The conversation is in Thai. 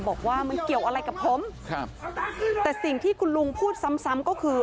บอกว่ามันเกี่ยวอะไรกับผมครับแต่สิ่งที่คุณลุงพูดซ้ำซ้ำก็คือ